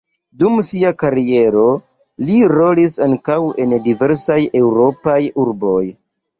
Dum sia kariero li rolis ankaŭ en diversaj eŭropaj urboj.